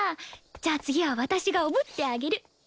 じゃあ次は私がおぶってあげる。